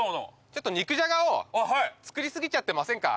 ちょっと肉じゃがを作り過ぎちゃってませんか？